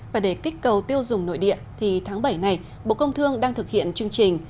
và để kích cầu tiêu dùng nội địa thì tháng bảy này bộ công thương đang thực hiện chương trình